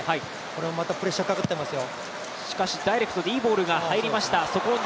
これまたプレッシャーかかってますよ。